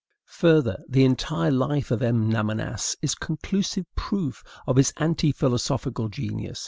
Further, the entire life of M. Lamennais is conclusive proof of his anti philosophical genius.